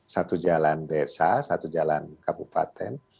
satu jalan ke desa satu jalan ke kabupaten